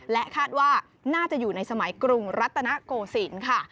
และคาดว่าน่าจะอยู่ในสมัยกรุงรัตนโกศิลป์ค่ะ